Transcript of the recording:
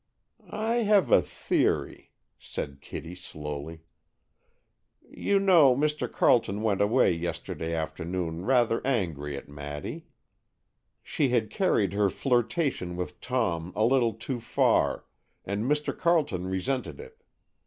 "I have a theory," said Kitty slowly. "You know Mr. Carleton went away yesterday afternoon rather angry at Maddy. She had carried her flirtation with Tom a little too far, and Mr. Carleton resented it.